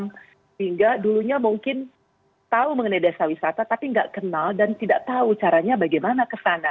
sehingga dulunya mungkin tahu mengenai desa wisata tapi nggak kenal dan tidak tahu caranya bagaimana kesana